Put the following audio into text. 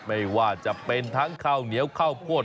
ไม่ว่าจะเป็นทั้งข้าวเหนียวข้าวโพด